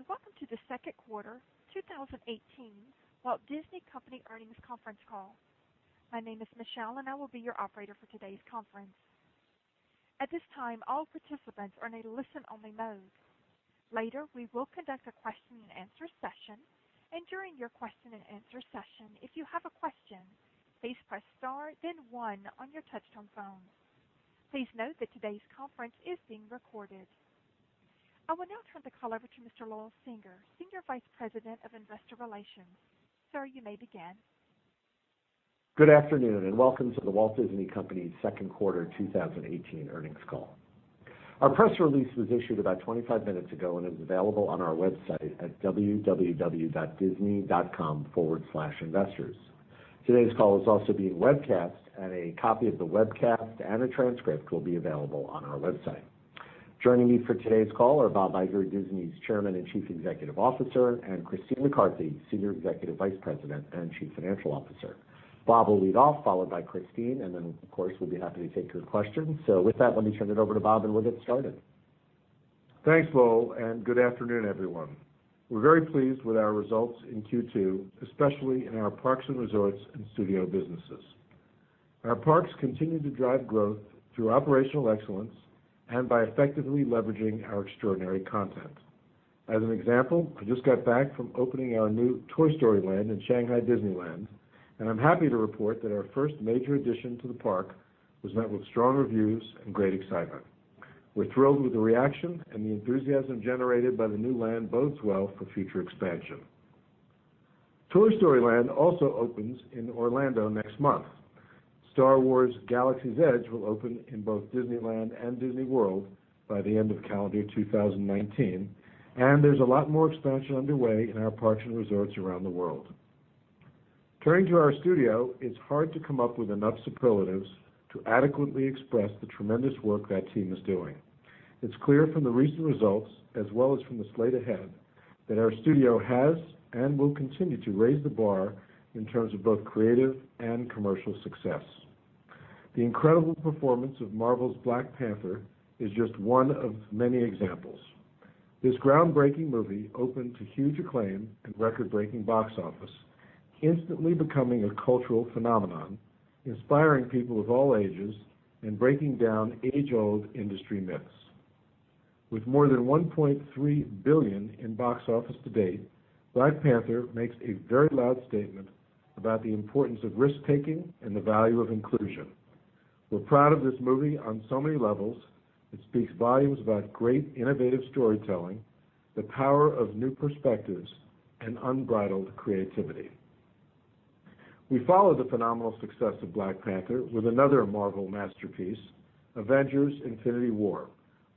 Hello, and welcome to the second quarter, 2018, Walt Disney Company earnings conference call. My name is Michelle, and I will be your operator for today's conference. At this time, all participants are in a listen-only mode. Later, we will conduct a question-and-answer session, and during your question-and-answer session, if you have a question, please press star, then one, on your touch-tone phone. Please note that today's conference is being recorded. I will now turn the call over to Mr. Lowell Singer, Senior Vice President of Investor Relations. Sir, you may begin. Good afternoon, and welcome to The Walt Disney Company's second quarter, 2018, earnings call. Our press release was issued about 25 minutes ago, and it is available on our website at www.disney.com/investors. Today's call is also being webcast, and a copy of the webcast and a transcript will be available on our website. Joining me for today's call are Bob Iger, Disney's Chairman and Chief Executive Officer, and Christine McCarthy, Senior Executive Vice President and Chief Financial Officer. Bob will lead off, followed by Christine, and then, of course, we'll be happy to take your questions. So with that, let me turn it over to Bob, and we'll get started. Thanks, Lowell, and good afternoon, everyone. We're very pleased with our results in Q2, especially in our parks and resorts and studio businesses. Our parks continue to drive growth through operational excellence and by effectively leveraging our extraordinary content. As an example, I just got back from opening our new Toy Story Land in Shanghai Disneyland, and I'm happy to report that our first major addition to the park was met with strong reviews and great excitement. We're thrilled with the reaction and the enthusiasm generated by the new land bodes well for future expansion. Toy Story Land also opens in Orlando next month. Star Wars: Galaxy's Edge will open in both Disneyland and Disney World by the end of calendar 2019, and there's a lot more expansion underway in our parks and resorts around the world. Turning to our studio, it's hard to come up with enough superlatives to adequately express the tremendous work that team is doing. It's clear from the recent results, as well as from the slate ahead, that our studio has and will continue to raise the bar in terms of both creative and commercial success. The incredible performance of Marvel's Black Panther is just one of many examples. This groundbreaking movie opened to huge acclaim and record-breaking Box Office, instantly becoming a cultural phenomenon, inspiring people of all ages and breaking down age-old industry myths. With more than $1.3 billion in Box Office to date, Black Panther makes a very loud statement about the importance of risk-taking and the value of inclusion. We're proud of this movie on so many levels. It speaks volumes about great innovative storytelling, the power of new perspectives, and unbridled creativity. We follow the phenomenal success of Black Panther with another Marvel masterpiece, Avengers: Infinity War,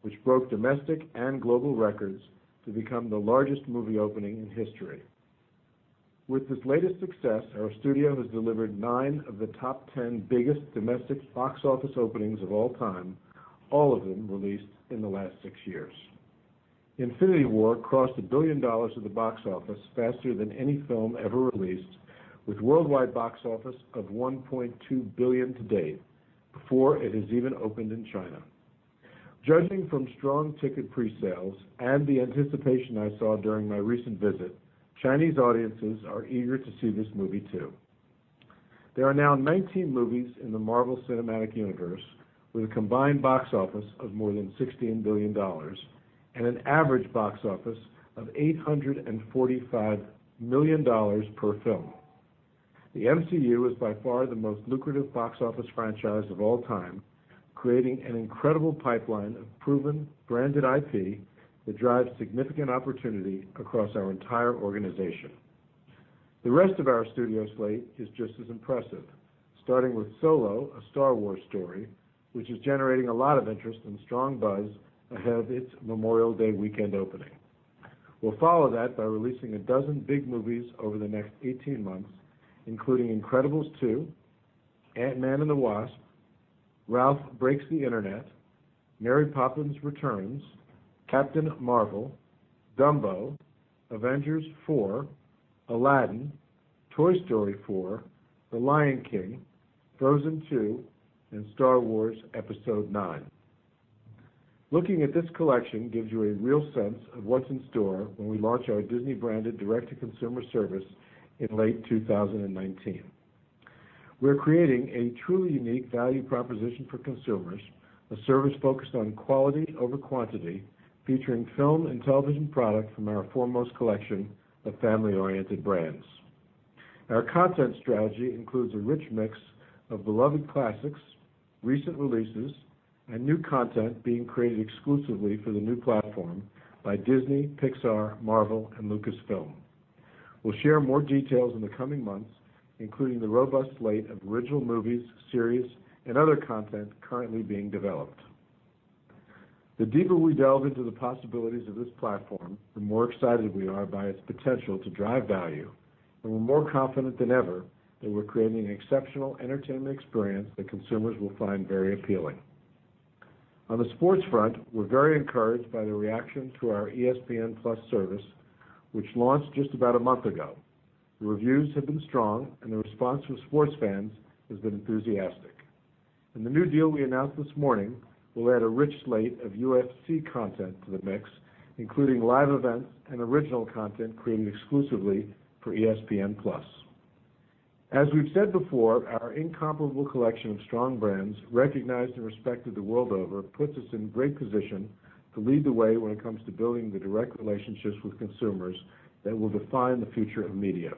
which broke domestic and global records to become the largest movie opening in history. With this latest success, our studio has delivered nine of the top 10 biggest domestic Box Office openings of all time, all of them released in the last six years. Infinity War crossed $1 billion at the Box Office faster than any film ever released, with a worldwide Box Office of $1.2 billion to date, before it has even opened in China. Judging from strong ticket pre-sales and the anticipation I saw during my recent visit, Chinese audiences are eager to see this movie too. There are now 19 movies in the Marvel Cinematic Universe with a combined Box Office of more than $16 billion and an average Box Office of $845 million per film. The MCU is by far the most lucrative box office franchise of all time, creating an incredible pipeline of proven, branded IP that drives significant opportunity across our entire organization. The rest of our studio slate is just as impressive, starting with Solo: A Star Wars Story, which is generating a lot of interest and strong buzz ahead of its Memorial Day weekend opening. We'll follow that by releasing a dozen big movies over the next 18 months, including Incredibles 2, Ant-Man and the Wasp, Ralph Breaks the Internet, Mary Poppins Returns, Captain Marvel, Dumbo, Avengers 4, Aladdin, Toy Story 4, The Lion King, Frozen 2, and Star Wars Episode IX. Looking at this collection gives you a real sense of what's in store when we launch our Disney-branded direct-to-consumer service in late 2019. We're creating a truly unique value proposition for consumers, a service focused on quality over quantity, featuring film and television product from our foremost collection of family-oriented brands. Our content strategy includes a rich mix of beloved classics, recent releases, and new content being created exclusively for the new platform by Disney, Pixar, Marvel, and Lucasfilm. We'll share more details in the coming months, including the robust slate of original movies, series, and other content currently being developed. The deeper we delve into the possibilities of this platform, the more excited we are by its potential to drive value, and we're more confident than ever that we're creating an exceptional entertainment experience that consumers will find very appealing. On the sports front, we're very encouraged by the reaction to our ESPN+ service, which launched just about a month ago. The reviews have been strong, and the response from sports fans has been enthusiastic. In the new deal we announced this morning, we'll add a rich slate of UFC content to the mix, including live events and original content created exclusively for ESPN+. As we've said before, our incomparable collection of strong brands, recognized and respected the world over, puts us in great position to lead the way when it comes to building the direct relationships with consumers that will define the future of media.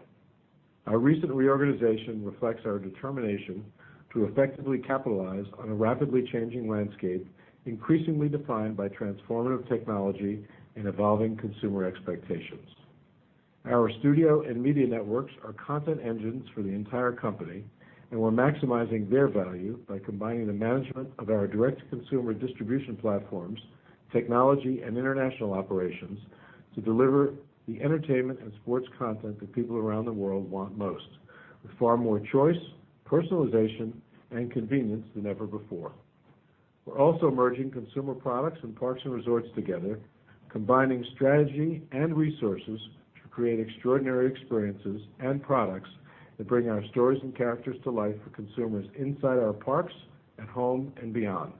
Our recent reorganization reflects our determination to effectively capitalize on a rapidly changing landscape, increasingly defined by transformative technology and evolving consumer expectations. Our studio and media networks are content engines for the entire company, and we're maximizing their value by combining the management of our direct-to-consumer distribution platforms, technology, and international operations to deliver the entertainment and sports content that people around the world want most, with far more choice, personalization, and convenience than ever before. We're also merging consumer products and parks and resorts together, combining strategy and resources to create extraordinary experiences and products that bring our stories and characters to life for consumers inside our parks, at home, and beyond.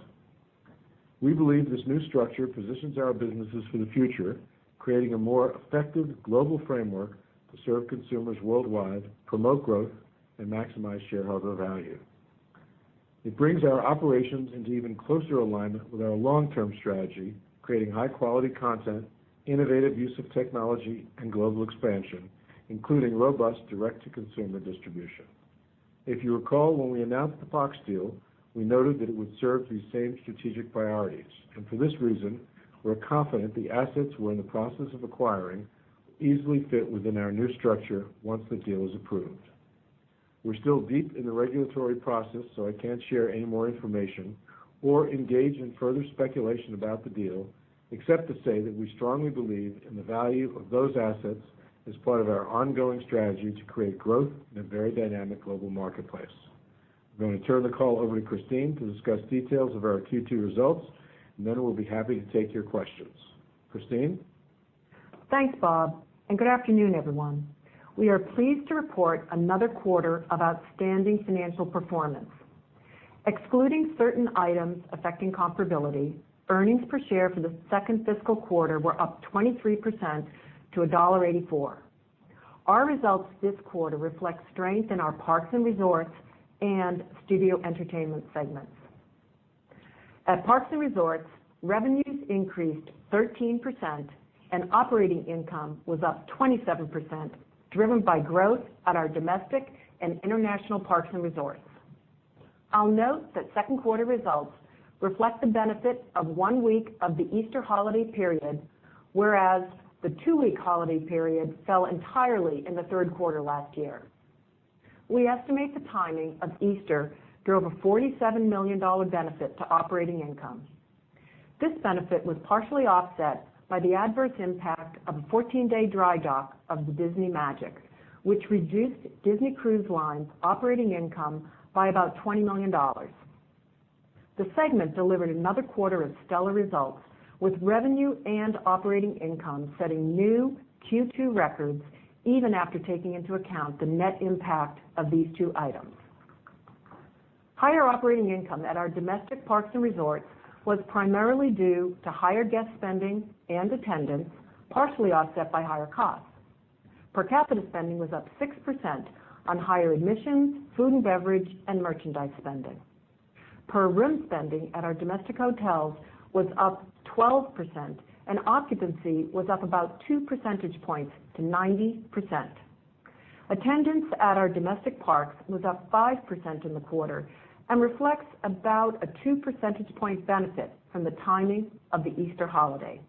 We believe this new structure positions our businesses for the future, creating a more effective global framework to serve consumers worldwide, promote growth, and maximize shareholder value. It brings our operations into even closer alignment with our long-term strategy, creating high-quality content, innovative use of technology, and global expansion, including robust direct-to-consumer distribution. If you recall, when we announced the Fox deal, we noted that it would serve these same strategic priorities, and for this reason, we're confident the assets we're in the process of acquiring will easily fit within our new structure once the deal is approved. We're still deep in the regulatory process, so I can't share any more information or engage in further speculation about the deal, except to say that we strongly believe in the value of those assets as part of our ongoing strategy to create growth in a very dynamic global marketplace. I'm going to turn the call over to Christine to discuss details of our Q2 results, and then we'll be happy to take your questions. Christine? Thanks, Bob, and good afternoon, everyone. We are pleased to report another quarter of outstanding financial performance. Excluding certain items affecting comparability, earnings per share for the second fiscal quarter were up 23% to $1.84. Our results this quarter reflect strength in our parks and resorts and studio entertainment segments. At parks and resorts, revenues increased 13%, and operating income was up 27%, driven by growth at our domestic and international parks and resorts. I'll note that second quarter results reflect the benefit of one week of the Easter holiday period, whereas the two-week holiday period fell entirely in the third quarter last year. We estimate the timing of Easter drove a $47 million benefit to operating income. This benefit was partially offset by the adverse impact of a 14-day dry dock of the Disney Magic, which reduced Disney Cruise Line's operating income by about $20 million. The segment delivered another quarter of stellar results, with revenue and operating income setting new Q2 records even after taking into account the net impact of these two items. Higher operating income at our domestic parks and resorts was primarily due to higher guest spending and attendance, partially offset by higher costs. Per capita spending was up 6% on higher admissions, food and beverage, and merchandise spending. Per room spending at our domestic hotels was up 12%, and occupancy was up about two percentage points to 90%. Attendance at our domestic parks was up 5% in the quarter and reflects about a two percentage point benefit from the timing of the Easter holiday.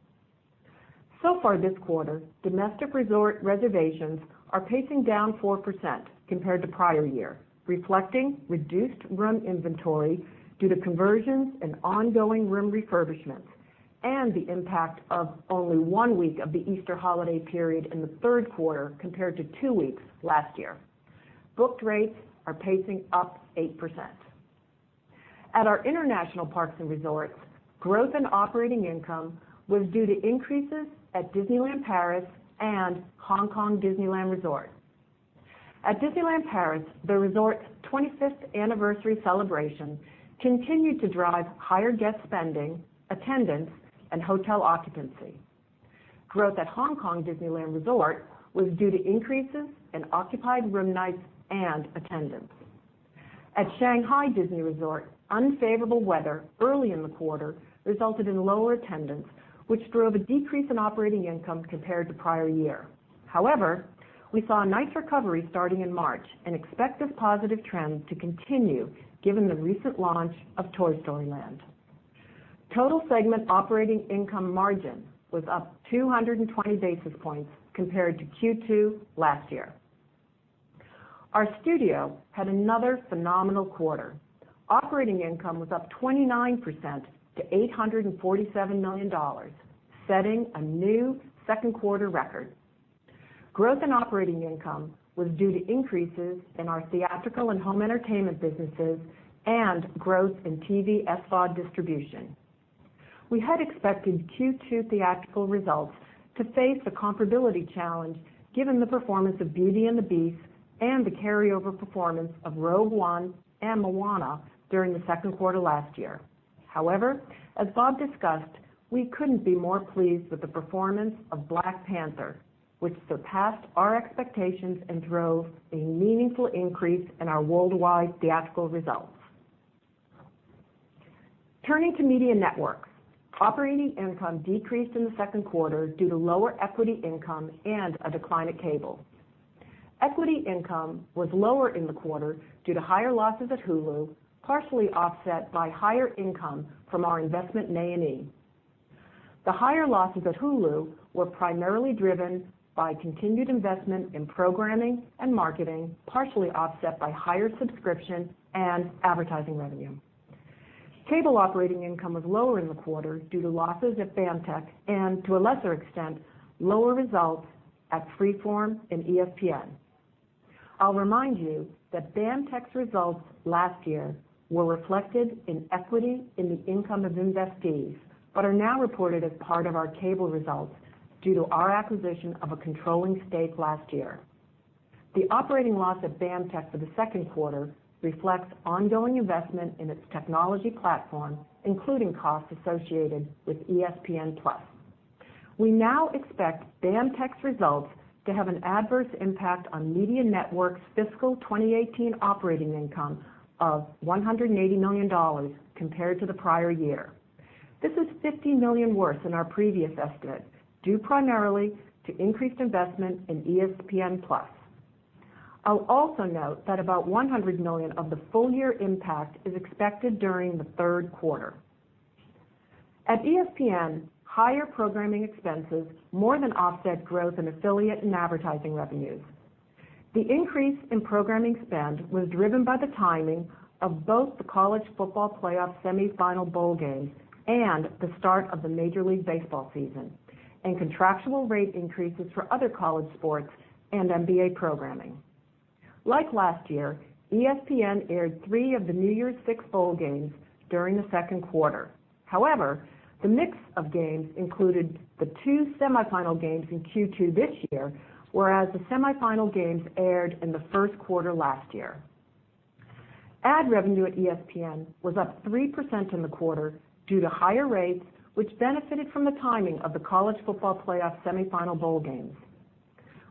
So far this quarter, domestic resort reservations are pacing down 4% compared to prior year, reflecting reduced room inventory due to conversions and ongoing room refurbishments and the impact of only one week of the Easter holiday period in the third quarter compared to two weeks last year. Booked rates are pacing up 8%. At our international parks and resorts, growth in operating income was due to increases at Disneyland Paris and Hong Kong Disneyland Resort. At Disneyland Paris, the resort's 25th anniversary celebration continued to drive higher guest spending, attendance, and hotel occupancy. Growth at Hong Kong Disneyland Resort was due to increases in occupied room nights and attendance. At Shanghai Disney Resort, unfavorable weather early in the quarter resulted in lower attendance, which drove a decrease in operating income compared to prior year. However, we saw a nice recovery starting in March and expect this positive trend to continue given the recent launch of Toy Story Land. Total segment operating income margin was up 220 basis points compared to Q2 last year. Our studio had another phenomenal quarter. Operating income was up 29% to $847 million, setting a new second quarter record. Growth in operating income was due to increases in our theatrical and home entertainment businesses and growth in TV/SVOD distribution. We had expected Q2 theatrical results to face a comparability challenge given the performance of Beauty and the Beast and the carryover performance of Rogue One and Moana during the second quarter last year. However, as Bob discussed, we couldn't be more pleased with the performance of Black Panther, which surpassed our expectations and drove a meaningful increase in our worldwide theatrical results. Turning to media networks, operating income decreased in the second quarter due to lower equity income and a decline at cable. Equity income was lower in the quarter due to higher losses at Hulu, partially offset by higher income from our investment in A&E. The higher losses at Hulu were primarily driven by continued investment in programming and marketing, partially offset by higher subscription and advertising revenue. Cable operating income was lower in the quarter due to losses at BAMTech and, to a lesser extent, lower results at Freeform and ESPN. I'll remind you that BAMTech's results last year were reflected in equity in the income of investees, but are now reported as part of our cable results due to our acquisition of a controlling stake last year. The operating loss at BAMTech for the second quarter reflects ongoing investment in its technology platform, including costs associated with ESPN+. We now expect BAMTech's results to have an adverse impact on Media Network's fiscal 2018 operating income of $180 million compared to the prior year. This is $50 million worse than our previous estimate, due primarily to increased investment in ESPN+. I'll also note that about $100 million of the full-year impact is expected during the third quarter. At ESPN, higher programming expenses more than offset growth in affiliate and advertising revenues. The increase in programming spend was driven by the timing of both the College Football Playoff semifinal bowl games and the start of the Major League Baseball season and contractual rate increases for other college sports and NBA programming. Like last year, ESPN aired three of the New Year's Six Bowl games during the second quarter. However, the mix of games included the two semifinal games in Q2 this year, whereas the semifinal games aired in the first quarter last year. Ad revenue at ESPN was up 3% in the quarter due to higher rates, which benefited from the timing of the College Football Playoff semifinal bowl games.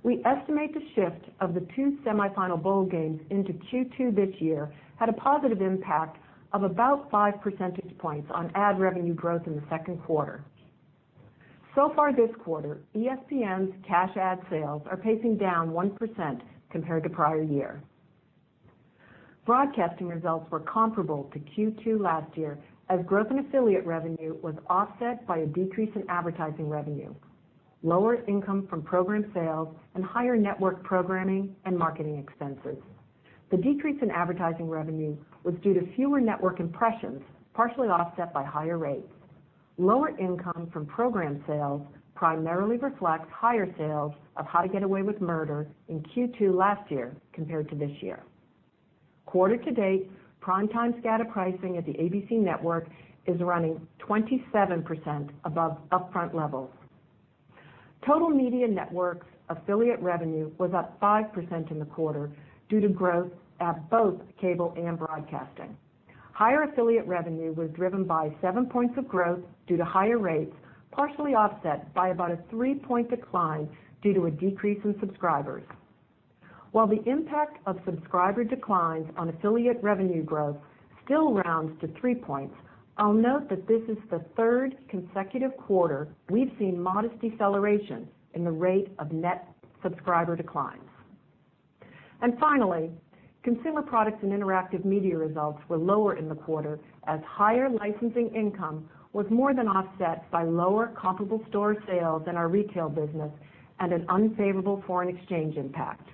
We estimate the shift of the two semifinal bowl games into Q2 this year had a positive impact of about 5 percentage points on ad revenue growth in the second quarter. So far this quarter, ESPN's cash ad sales are pacing down 1% compared to prior year. Broadcasting results were comparable to Q2 last year, as growth in affiliate revenue was offset by a decrease in advertising revenue, lower income from program sales, and higher network programming and marketing expenses. The decrease in advertising revenue was due to fewer network impressions, partially offset by higher rates. Lower income from program sales primarily reflects higher sales of How to Get Away with Murder in Q2 last year compared to this year. Quarter to date, prime-time scatter pricing at the ABC Network is running 27% above upfront levels. Media Networks' affiliate revenue was up 5% in the quarter due to growth at both cable and broadcasting. Higher affiliate revenue was driven by 7 points of growth due to higher rates, partially offset by about a 3-point decline due to a decrease in subscribers. While the impact of subscriber declines on affiliate revenue growth still rounds to 3 points, I'll note that this is the third consecutive quarter we've seen modest deceleration in the rate of net subscriber declines. Finally, consumer products and interactive media results were lower in the quarter as higher licensing income was more than offset by lower comparable store sales in our retail business and an unfavorable foreign exchange impact.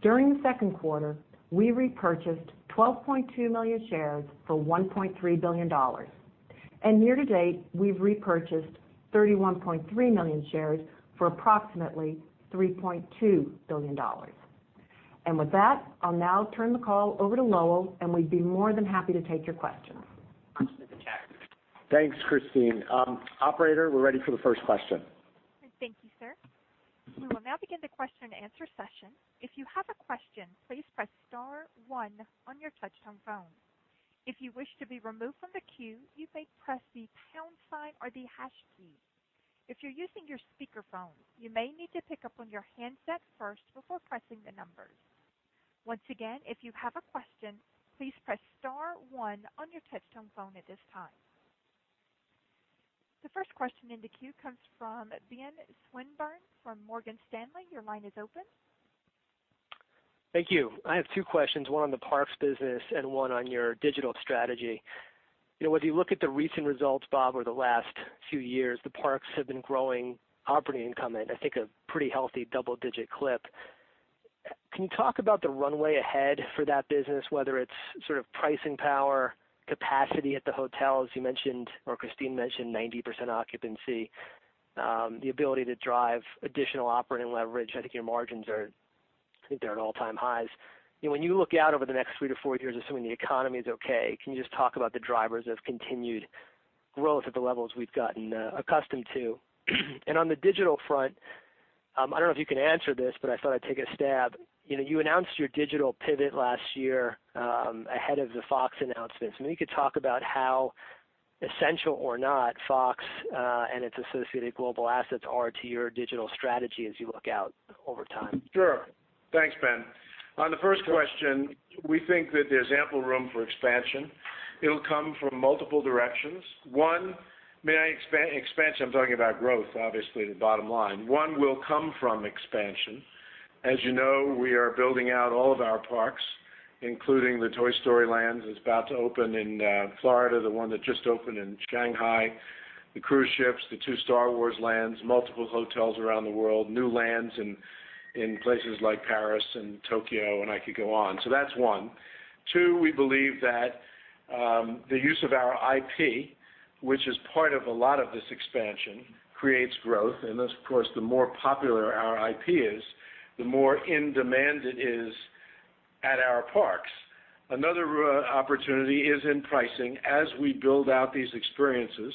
During the second quarter, we repurchased 12.2 million shares for $1.3 billion, and year to date, we've repurchased 31.3 million shares for approximately $3.2 billion. With that, I'll now turn the call over to Lowell, and we'd be more than happy to take your questions. Thanks, Christine. Operator, we're ready for the first question. Thank you, sir. We will now begin the question-and-answer session. If you have a question, please press star one on your touch-tone phone. If you wish to be removed from the queue, you may press the pound sign or the hash key. If you're using your speakerphone, you may need to pick up on your handset first before pressing the numbers. Once again, if you have a question, please press star one on your touch-tone phone at this time. The first question in the queue comes from Ben Swinburne from Morgan Stanley. Your line is open. Thank you. I have two questions, one on the parks business and one on your digital strategy. You know, as you look at the recent results, Bob, over the last few years, the parks have been growing operating income at, I think, a pretty healthy double-digit clip. Can you talk about the runway ahead for that business, whether it's sort of pricing power, capacity at the hotels you mentioned, or Christine mentioned 90% occupancy, the ability to drive additional operating leverage? I think your margins are, I think they're at all-time highs. You know, when you look out over the next three to four years, assuming the economy is okay, can you just talk about the drivers of continued growth at the levels we've gotten accustomed to? On the digital front, I don't know if you can answer this, but I thought I'd take a stab. You know, you announced your digital pivot last year ahead of the Fox announcements. Maybe you could talk about how essential, or not, Fox and its associated global assets are to your digital strategy as you look out over time. Sure. Thanks, Ben. On the first question, we think that there's ample room for expansion. It'll come from multiple directions. One, may I expand? Expansion, I'm talking about growth, obviously, the bottom line. One will come from expansion. As you know, we are building out all of our parks, including the Toy Story Lands. It's about to open in Florida, the one that just opened in Shanghai, the cruise ships, the two Star Wars lands, multiple hotels around the world, new lands in places like Paris and Tokyo, and I could go on. So that's one. Two, we believe that the use of our IP, which is part of a lot of this expansion, creates growth. And of course, the more popular our IP is, the more in demand it is at our parks. Another opportunity is in pricing as we build out these experiences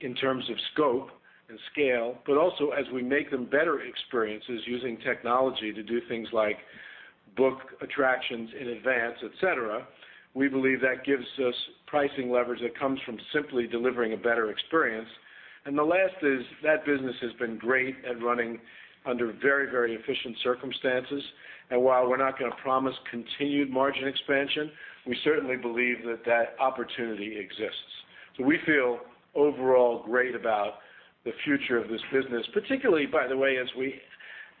in terms of scope and scale, but also as we make them better experiences using technology to do things like book attractions in advance, etc. We believe that gives us pricing leverage that comes from simply delivering a better experience. And the last is that business has been great at running under very, very efficient circumstances. And while we're not going to promise continued margin expansion, we certainly believe that that opportunity exists. So we feel overall great about the future of this business, particularly, by the way, as we,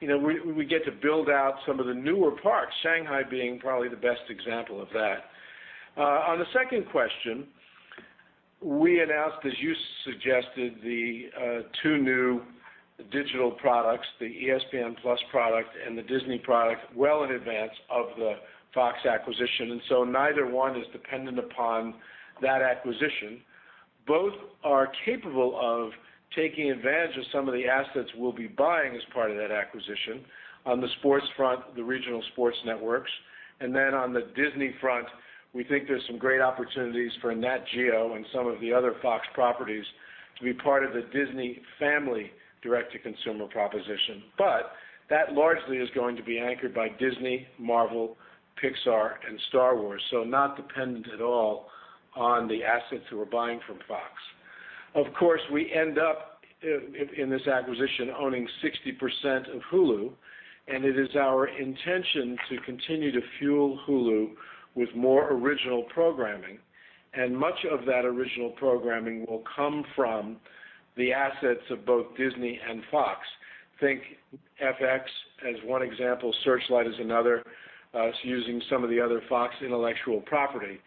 you know, we get to build out some of the newer parks, Shanghai being probably the best example of that. On the second question, we announced, as you suggested, the two new digital products, the ESPN+ product and the Disney product, well in advance of the Fox acquisition. And so neither one is dependent upon that acquisition. Both are capable of taking advantage of some of the assets we'll be buying as part of that acquisition. On the sports front, the regional sports networks. And then on the Disney front, we think there's some great opportunities for Nat Geo and some of the other Fox properties to be part of the Disney family direct-to-consumer proposition. But that largely is going to be anchored by Disney, Marvel, Pixar, and Star Wars, so not dependent at all on the assets that we're buying from Fox. Of course, we end up in this acquisition owning 60% of Hulu, and it is our intention to continue to fuel Hulu with more original programming. And much of that original programming will come from the assets of both Disney and Fox. Think FX as one example, Searchlight as another, using some of the other Fox intellectual property.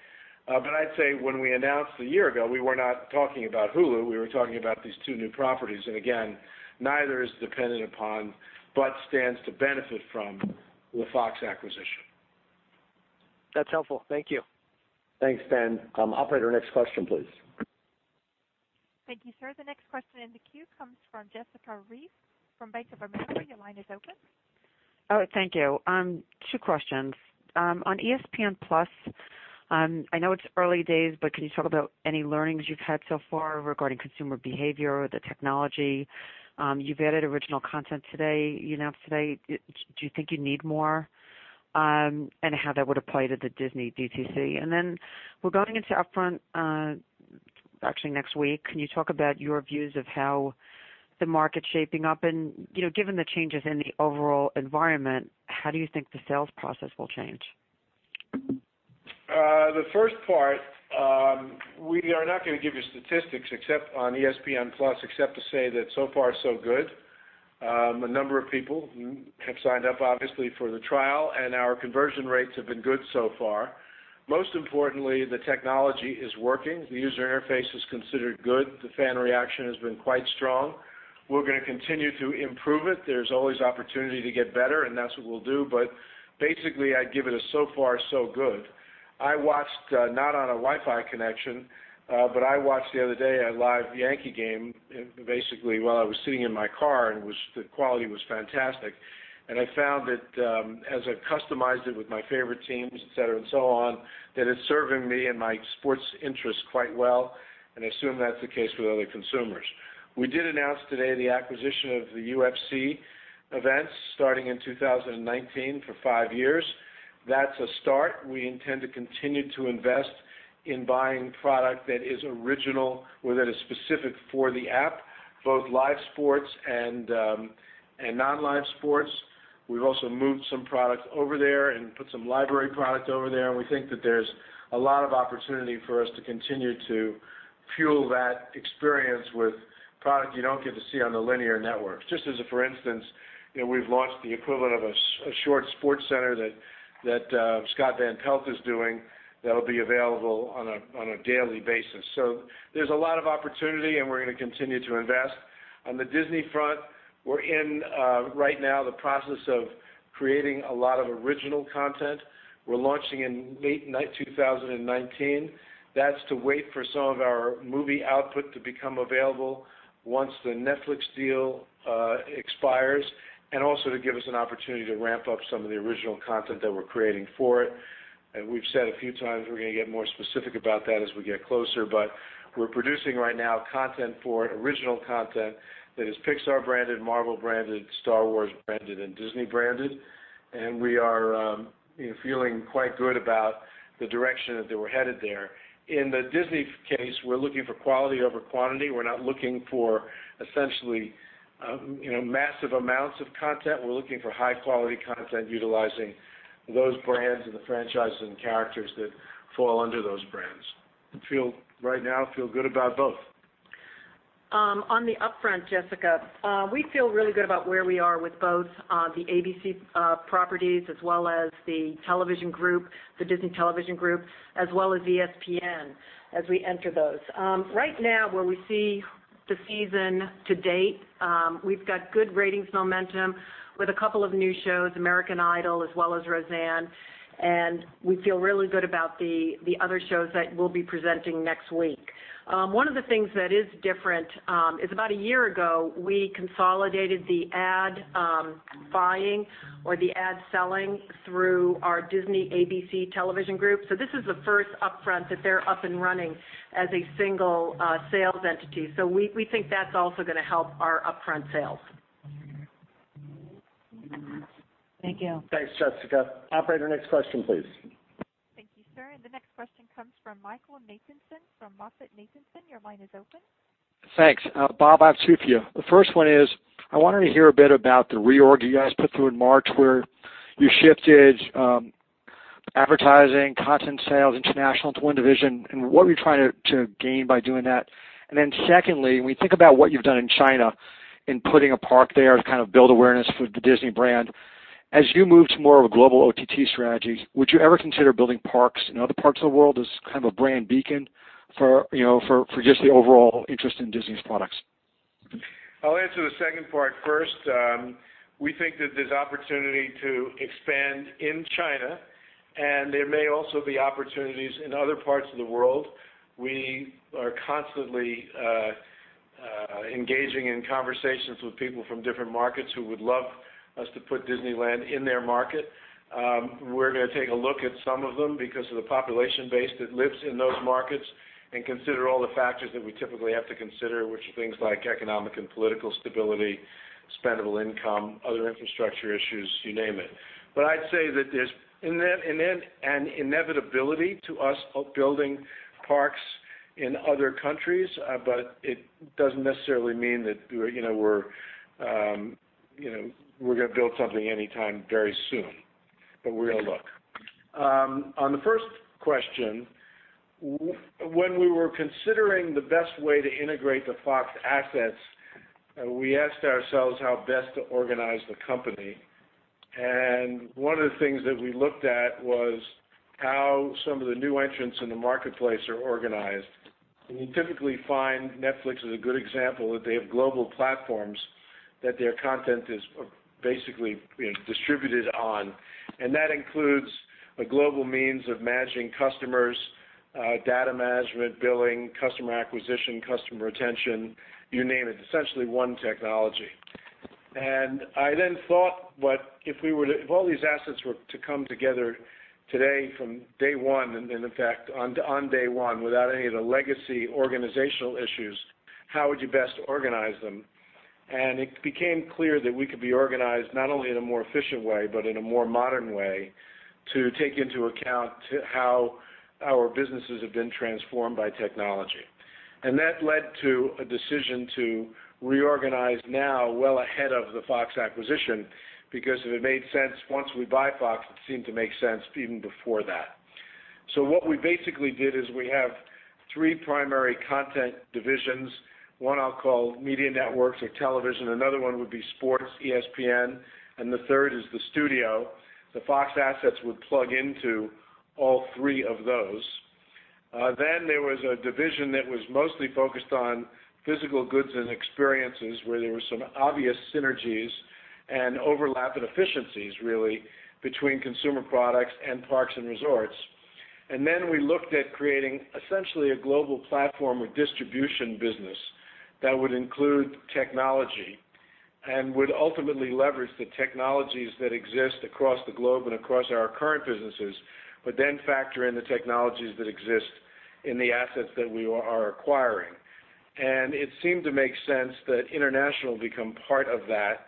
But I'd say when we announced a year ago, we were not talking about Hulu. We were talking about these two new properties. And again, neither is dependent upon but stands to benefit from the Fox acquisition. That's helpful. Thank you. Thanks, Ben. Operator, next question, please. Thank you, sir. The next question in the queue comes from Jessica Reif from Bank of America. Your line is open. Oh, thank you. Two questions. On ESPN+, I know it's early days, but can you talk about any learnings you've had so far regarding consumer behavior, the technology? You've added original content today. You announced today. Do you think you need more and how that would apply to the Disney DTC? And then we're going into upfront, actually next week. Can you talk about your views of how the market's shaping up? And, you know, given the changes in the overall environment, how do you think the sales process will change? The first part, we are not going to give you statistics except on ESPN+, except to say that so far so good. A number of people have signed up, obviously, for the trial, and our conversion rates have been good so far. Most importantly, the technology is working. The user interface is considered good. The fan reaction has been quite strong. We're going to continue to improve it. There's always opportunity to get better, and that's what we'll do, but basically, I'd give it a so far so good. I watched, not on a Wi-Fi connection, but I watched the other day a live Yankee game, basically while I was sitting in my car, and the quality was fantastic, and I found that as I customized it with my favorite teams, etc., and so on, that it's serving me and my sports interests quite well. I assume that's the case with other consumers. We did announce today the acquisition of the UFC events starting in 2019 for five years. That's a start. We intend to continue to invest in buying product that is original or that is specific for the app, both live sports and non-live sports. We've also moved some product over there and put some library product over there. And we think that there's a lot of opportunity for us to continue to fuel that experience with product you don't get to see on the linear network. Just as a, for instance, you know, we've launched the equivalent of a short SportsCenter that Scott Van Pelt is doing that will be available on a daily basis. So there's a lot of opportunity, and we're going to continue to invest. On the Disney front, we're in right now the process of creating a lot of original content. We're launching in late 2019. That's to wait for some of our movie output to become available once the Netflix deal expires and also to give us an opportunity to ramp up some of the original content that we're creating for it, and we've said a few times we're going to get more specific about that as we get closer, but we're producing right now content for original content that is Pixar-branded, Marvel-branded, Star Wars-branded, and Disney-branded, and we are, you know, feeling quite good about the direction that we're headed there. In the Disney case, we're looking for quality over quantity. We're not looking for essentially, you know, massive amounts of content. We're looking for high-quality content utilizing those brands and the franchises and characters that fall under those brands. Feel right now, feel good about both. On the upfront, Jessica, we feel really good about where we are with both the ABC properties as well as the television group, the Disney television group, as well as ESPN as we enter those. Right now, where we see the season to date, we've got good ratings momentum with a couple of new shows, American Idol as well as Roseanne. And we feel really good about the other shows that we'll be presenting next week. One of the things that is different is about a year ago, we consolidated the ad buying or the ad selling through our Disney ABC television group. So this is the first upfront that they're up and running as a single sales entity. So we think that's also going to help our upfront sales. Thank you. Thanks, Jessica. Operator, next question, please. Thank you, sir. And the next question comes from Michael Nathanson from MoffettNathanson. Your line is open. Thanks. Bob, I have two for you. The first one is I wanted to hear a bit about the reorg you guys put through in March where you shifted advertising, content sales, international to one division. And what are you trying to gain by doing that? And then secondly, when we think about what you've done in China in putting a park there to kind of build awareness for the Disney brand, as you move to more of a global OTT strategy, would you ever consider building parks in other parts of the world as kind of a brand beacon for, you know, for just the overall interest in Disney's products? I'll answer the second part first. We think that there's opportunity to expand in China, and there may also be opportunities in other parts of the world. We are constantly engaging in conversations with people from different markets who would love us to put Disneyland in their market. We're going to take a look at some of them because of the population base that lives in those markets and consider all the factors that we typically have to consider, which are things like economic and political stability, spendable income, other infrastructure issues, you name it. But I'd say that there's an inevitability to us building parks in other countries, but it doesn't necessarily mean that we're, you know, we're going to build something anytime very soon. But we're going to look. On the first question, when we were considering the best way to integrate the Fox assets, we asked ourselves how best to organize the company. And one of the things that we looked at was how some of the new entrants in the marketplace are organized. And you typically find Netflix is a good example that they have global platforms that their content is basically distributed on. And that includes a global means of managing customers, data management, billing, customer acquisition, customer retention, you name it, essentially one technology. And I then thought, but if we were to, if all these assets were to come together today from day one and then, in fact, on day one without any of the legacy organizational issues, how would you best organize them? It became clear that we could be organized not only in a more efficient way, but in a more modern way to take into account how our businesses have been transformed by technology. That led to a decision to reorganize now well ahead of the Fox acquisition because it made sense once we buy Fox. It seemed to make sense even before that. What we basically did is we have three primary content divisions. One I'll call media networks or television. Another one would be sports, ESPN, and the third is the studio. The Fox assets would plug into all three of those. Then there was a division that was mostly focused on physical goods and experiences where there were some obvious synergies and overlap and efficiencies, really, between consumer products and parks and resorts. And then we looked at creating essentially a global platform or distribution business that would include technology and would ultimately leverage the technologies that exist across the globe and across our current businesses, but then factor in the technologies that exist in the assets that we are acquiring. And it seemed to make sense that international become part of that,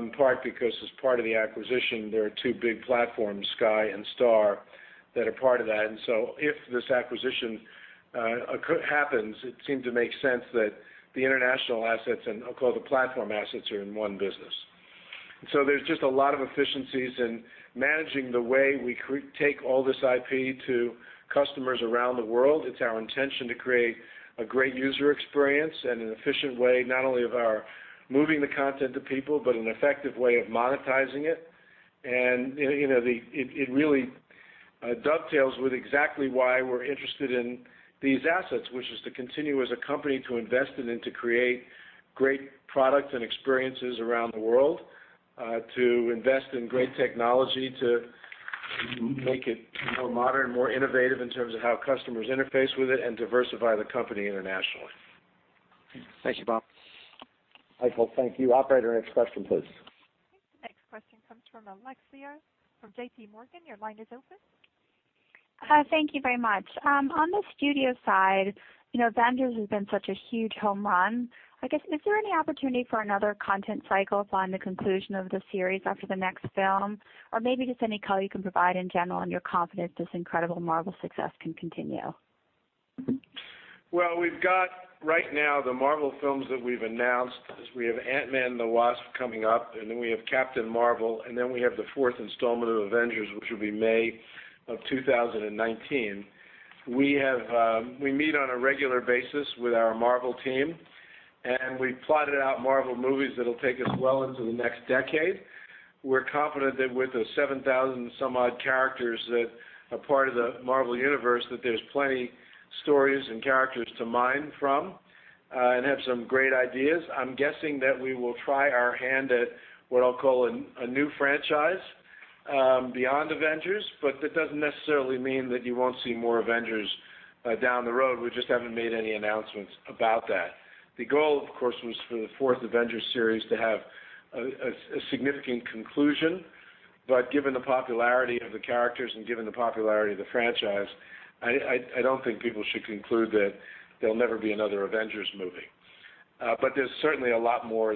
in part because as part of the acquisition, there are two big platforms, Sky and Star, that are part of that. And so if this acquisition happens, it seemed to make sense that the international assets and I'll call the platform assets are in one business. And so there's just a lot of efficiencies in managing the way we take all this IP to customers around the world. It's our intention to create a great user experience and an efficient way, not only of our moving the content to people, but an effective way of monetizing it, and you know, it really dovetails with exactly why we're interested in these assets, which is to continue as a company to invest in and to create great products and experiences around the world, to invest in great technology to make it more modern, more innovative in terms of how customers interface with it and diversify the company internationally. Thank you, Bob. Michael, thank you. Operator, next question, please. Next question comes from Alexia from JPMorgan. Your line is open. Hi, thank you very much. On the studio side, you know, WandaVision has been such a huge home run. I guess, is there any opportunity for another content cycle upon the conclusion of the series after the next film, or maybe just any color you can provide in general on your confidence this incredible Marvel success can continue? We've got right now the Marvel films that we've announced. We have Ant-Man and the Wasp coming up, and then we have Captain Marvel, and then we have the fourth installment of Avengers, which will be May of 2019. We meet on a regular basis with our Marvel team, and we've plotted out Marvel movies that'll take us well into the next decade. We're confident that with the 7,000 and some odd characters that are part of the Marvel universe, that there's plenty of stories and characters to mine from and have some great ideas. I'm guessing that we will try our hand at what I'll call a new franchise beyond Avengers, but that doesn't necessarily mean that you won't see more Avengers down the road. We just haven't made any announcements about that. The goal, of course, was for the fourth Avengers series to have a significant conclusion. But given the popularity of the characters and given the popularity of the franchise, I don't think people should conclude that there'll never be another Avengers movie. But there's certainly a lot more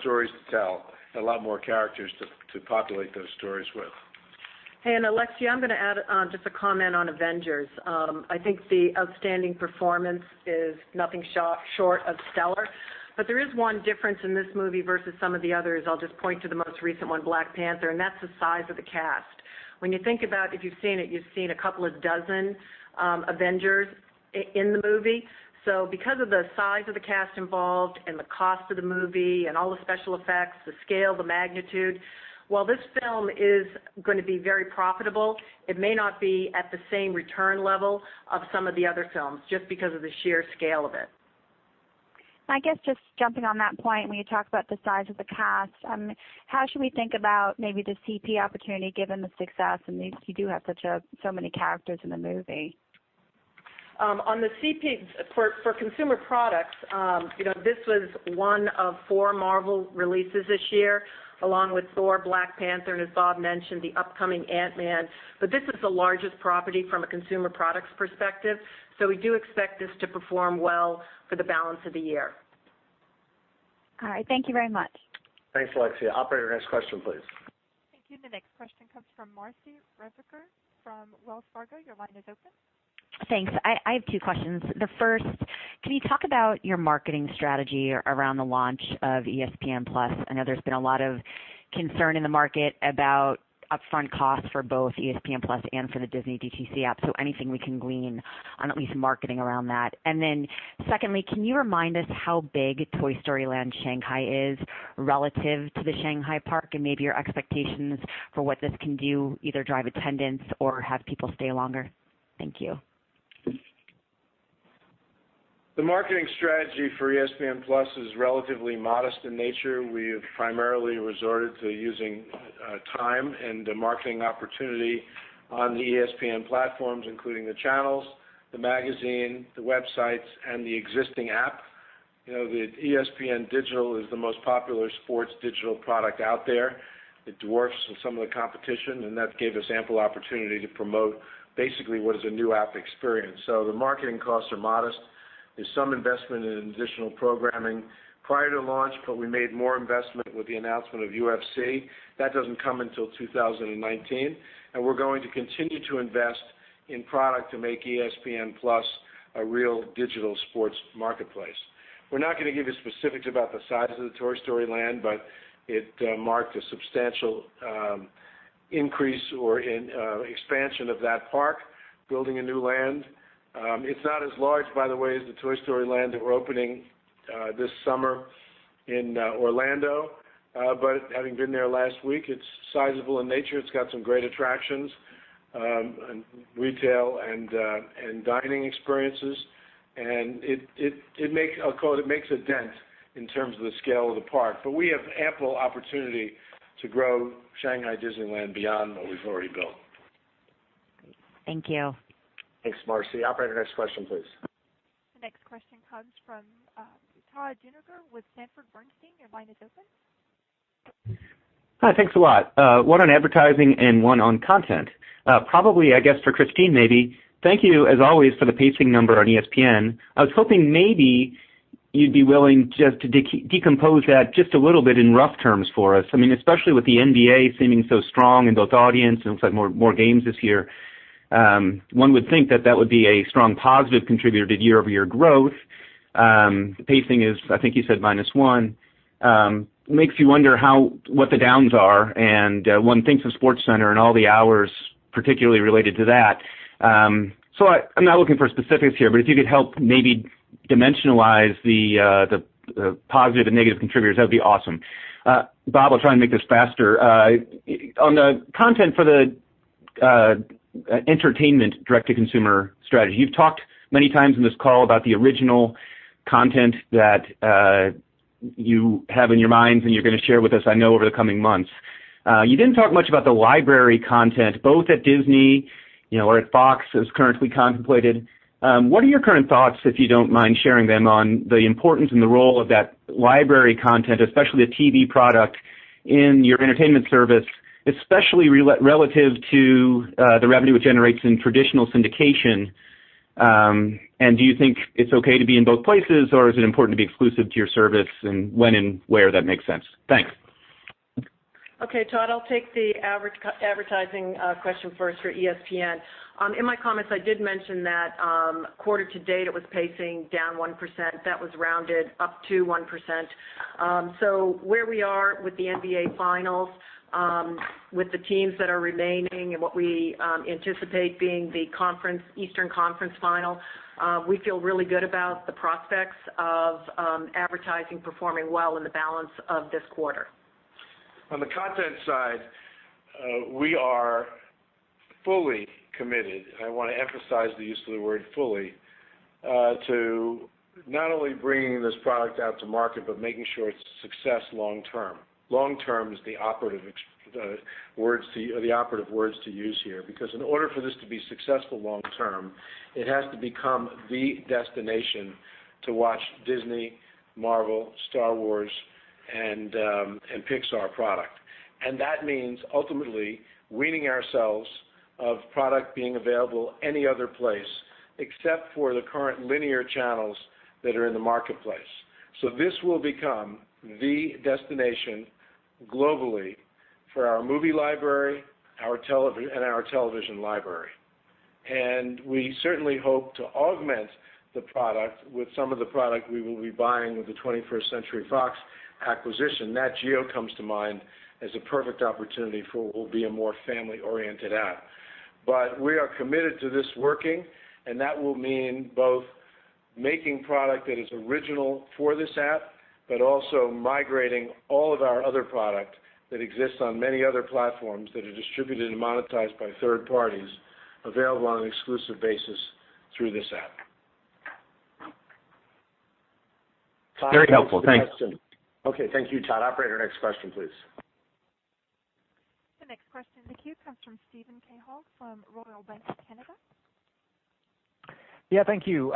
stories to tell, a lot more characters to populate those stories with. Hey, and Alexia, I'm going to add just a comment on Avengers. I think the outstanding performance is nothing short of stellar. But there is one difference in this movie versus some of the others. I'll just point to the most recent one, Black Panther, and that's the size of the cast. When you think about if you've seen it, you've seen a couple of dozen Avengers in the movie. So because of the size of the cast involved and the cost of the movie and all the special effects, the scale, the magnitude, while this film is going to be very profitable, it may not be at the same return level of some of the other films just because of the sheer scale of it. I guess just jumping on that point, when you talk about the size of the cast, how should we think about maybe the CP opportunity given the success and you do have such a so many characters in the movie? On the CP for consumer products, you know, this was one of four Marvel releases this year, along with Thor, Black Panther, and as Bob mentioned, the upcoming Ant-Man. But this is the largest property from a consumer products perspective. So we do expect this to perform well for the balance of the year. All right. Thank you very much. Thanks, Alexia. Operator, next question, please. Thank you. The next question comes from Marci Ryvicker from Wells Fargo. Your line is open. Thanks. I have two questions. The first, can you talk about your marketing strategy around the launch of ESPN+? I know there's been a lot of concern in the market about upfront costs for both ESPN+ and for the Disney DTC app, so anything we can glean on at least marketing around that. And then secondly, can you remind us how big Toy Story Land Shanghai is relative to the Shanghai Park and maybe your expectations for what this can do, either drive attendance or have people stay longer? Thank you. The marketing strategy for ESPN+ is relatively modest in nature. We have primarily resorted to using time and the marketing opportunity on the ESPN platforms, including the channels, the magazine, the websites, and the existing app. You know, the ESPN Digital is the most popular sports digital product out there. It dwarfs some of the competition, and that gave us ample opportunity to promote basically what is a new app experience, so the marketing costs are modest. There's some investment in additional programming prior to launch, but we made more investment with the announcement of UFC. That doesn't come until 2019, and we're going to continue to invest in product to make ESPN+ a real digital sports marketplace. We're not going to give you specifics about the size of the Toy Story Land, but it marked a substantial increase or expansion of that park, building a new land. It's not as large, by the way, as the Toy Story Land that we're opening this summer in Orlando, but having been there last week, it's sizable in nature. It's got some great attractions and retail and dining experiences. And it makes, I'll call it, a dent in terms of the scale of the park. But we have ample opportunity to grow Shanghai Disneyland beyond what we've already built. Thank you. Thanks, Marci. Operator, next question, please. Next question comes from Todd Juenger with Sanford Bernstein. Your line is open. Hi, thanks a lot. One on advertising and one on content. Probably, I guess for Christine maybe, thank you as always for the pacing number on ESPN. I was hoping maybe you'd be willing just to decompose that just a little bit in rough terms for us. I mean, especially with the NBA seeming so strong and both audience and looks like more games this year, one would think that that would be a strong positive contributor to year-over-year growth. Pacing is, I think you said, minus one. Makes you wonder how what the downs are. And one thinks of SportsCenter and all the hours particularly related to that. So I'm not looking for specifics here, but if you could help maybe dimensionalize the positive and negative contributors, that would be awesome. Bob, I'll try and make this faster. On the content for the entertainment direct-to-consumer strategy, you've talked many times in this call about the original content that you have in your mind and you're going to share with us, I know, over the coming months. You didn't talk much about the library content, both at Disney, you know, or at Fox as currently contemplated. What are your current thoughts, if you don't mind sharing them, on the importance and the role of that library content, especially a TV product in your entertainment service, especially relative to the revenue it generates in traditional syndication? And do you think it's okay to be in both places, or is it important to be exclusive to your service and when and where that makes sense? Thanks. Okay, Todd, I'll take the advertising question first for ESPN. In my comments, I did mention that quarter to date, it was pacing down 1%. That was rounded up to 1%. So where we are with the NBA finals, with the teams that are remaining, and what we anticipate being the Eastern Conference final, we feel really good about the prospects of advertising performing well in the balance of this quarter. On the content side, we are fully committed, and I want to emphasize the use of the word fully, to not only bringing this product out to market, but making sure it's a success long term. Long term is the operative words to use here because in order for this to be successful long term, it has to become the destination to watch Disney, Marvel, Star Wars, and Pixar product. That means ultimately weaning ourselves of product being available any other place except for the current linear channels that are in the marketplace. This will become the destination globally for our movie library, our television, and our television library. We certainly hope to augment the product with some of the product we will be buying with the 21st Century Fox acquisition. Nat Geo comes to mind as a perfect opportunity for what will be a more family-oriented app. But we are committed to this working, and that will mean both making product that is original for this app, but also migrating all of our other product that exists on many other platforms that are distributed and monetized by third parties available on an exclusive basis through this app. Very helpful. Thanks. Okay. Thank you, Todd. Operator, next question, please. The next question in the queue comes from Steven Cahall from Royal Bank of Canada. Yeah, thank you.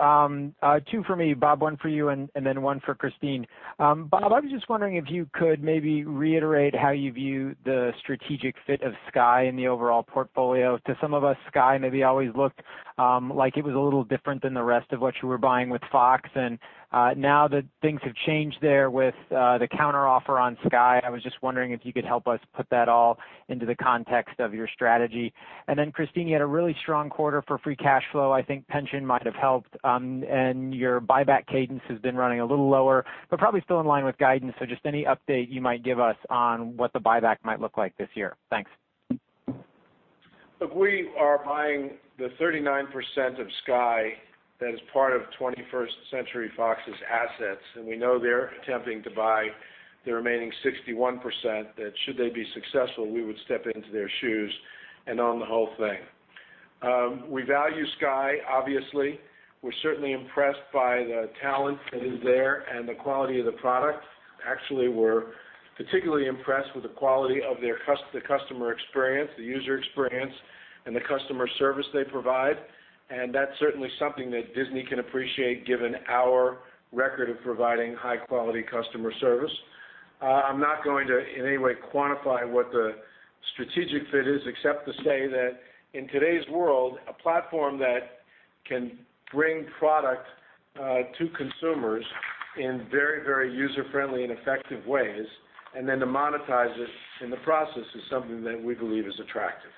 Two for me, Bob, one for you, and then one for Christine. Bob, I was just wondering if you could maybe reiterate how you view the strategic fit of Sky in the overall portfolio. To some of us, Sky maybe always looked like it was a little different than the rest of what you were buying with Fox. And now that things have changed there with the counteroffer on Sky, I was just wondering if you could help us put that all into the context of your strategy. And then Christine, you had a really strong quarter for free cash flow. I think pension might have helped. And your buyback cadence has been running a little lower, but probably still in line with guidance. So just any update you might give us on what the buyback might look like this year. Thanks. Look, we are buying the 39% of Sky that is part of 21st Century Fox's assets. And we know they're attempting to buy the remaining 61% that, should they be successful, we would step into their shoes and own the whole thing. We value Sky, obviously. We're certainly impressed by the talent that is there and the quality of the product. Actually, we're particularly impressed with the quality of their customer experience, the user experience, and the customer service they provide. And that's certainly something that Disney can appreciate given our record of providing high-quality customer service. I'm not going to in any way quantify what the strategic fit is except to say that in today's world, a platform that can bring product to consumers in very, very user-friendly and effective ways and then to monetize it in the process is something that we believe is attractive.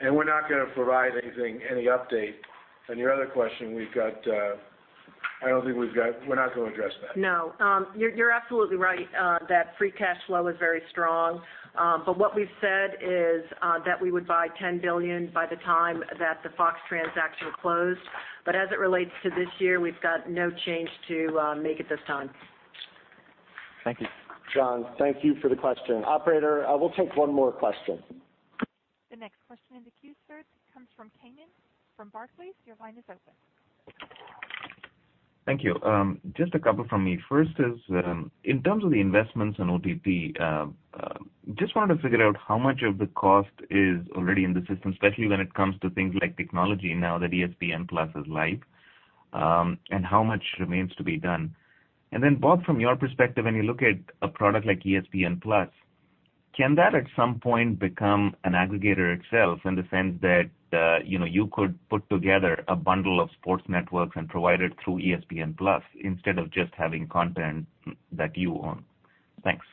We're not going to provide anything, any update. Your other question, I don't think we're going to address that. No. You're absolutely right that free cash flow is very strong. But what we've said is that we would buy $10 billion by the time that the Fox transaction closed. But as it relates to this year, we've got no change to make at this time. Thank you. John, thank you for the question. Operator, we'll take one more question. The next question in the queue, sir, comes from Kannan from Barclays. Your line is open. Thank you. Just a couple from me. First is in terms of the investments in OTT, just wanted to figure out how much of the cost is already in the system, especially when it comes to things like technology now that ESPN+ is live, and how much remains to be done, and then Bob, from your perspective, when you look at a product like ESPN+, can that at some point become an aggregator itself in the sense that, you know, you could put together a bundle of sports networks and provide it through ESPN+ instead of just having content that you own? Thanks.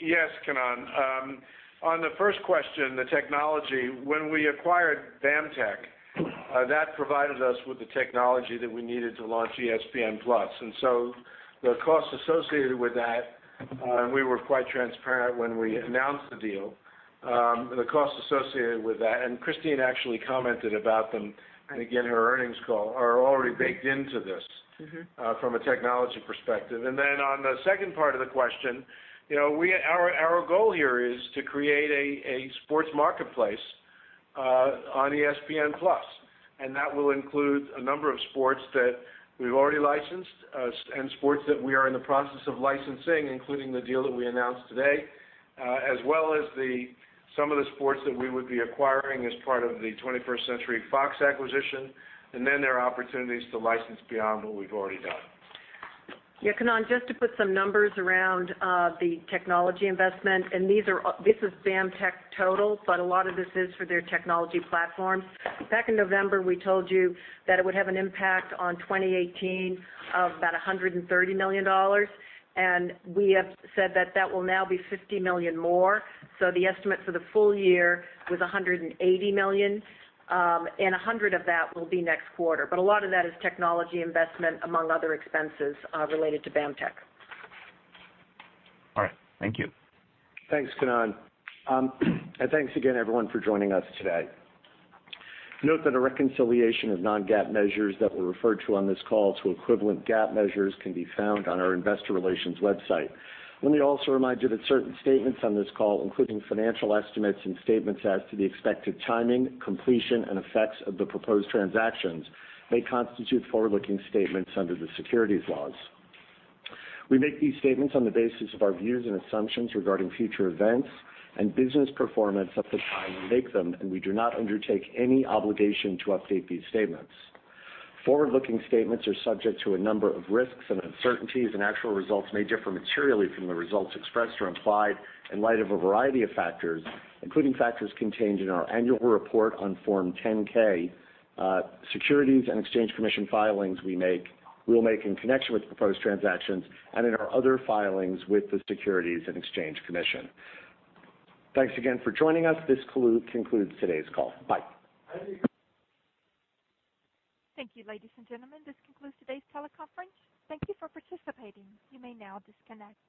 Yes, Kannan. On the first question, the technology, when we acquired BAMTech, that provided us with the technology that we needed to launch ESPN+. And so the cost associated with that, and we were quite transparent when we announced the deal, the cost associated with that. And Christine actually commented about them. And again, her earnings call are already baked into this from a technology perspective. And then on the second part of the question, you know, our goal here is to create a sports marketplace on ESPN+. And that will include a number of sports that we've already licensed and sports that we are in the process of licensing, including the deal that we announced today, as well as some of the sports that we would be acquiring as part of the 21st Century Fox acquisition. There are opportunities to license beyond what we've already done. Yeah, Kannan, just to put some numbers around the technology investment. And this is BAMTech total, but a lot of this is for their technology platforms. Back in November, we told you that it would have an impact on 2018 of about $130 million. And we have said that that will now be $50 million more. So the estimate for the full year was $180 million. And $100 of that will be next quarter. But a lot of that is technology investment among other expenses related to BAMTech. All right. Thank you. Thanks, Kannan. And thanks again, everyone, for joining us today. Note that a reconciliation of non-GAAP measures that were referred to on this call to equivalent GAAP measures can be found on our investor relations website. Let me also remind you that certain statements on this call, including financial estimates and statements as to the expected timing, completion, and effects of the proposed transactions, may constitute forward-looking statements under the securities laws. We make these statements on the basis of our views and assumptions regarding future events and business performance at the time we make them, and we do not undertake any obligation to update these statements. Forward-looking statements are subject to a number of risks and uncertainties, and actual results may differ materially from the results expressed or implied in light of a variety of factors, including factors contained in our annual report on Form 10-K, Securities and Exchange Commission filings we make, we'll make in connection with proposed transactions, and in our other filings with the Securities and Exchange Commission. Thanks again for joining us. This concludes today's call. Bye. Thank you, ladies and gentlemen. This concludes today's teleconference. Thank you for participating. You may now disconnect.